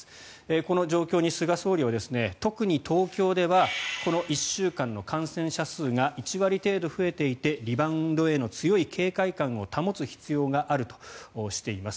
この状況に菅総理は特に東京ではこの１週間の感染者数が１割程度増えていてリバウンドへの強い警戒感を保つ必要があるとしています。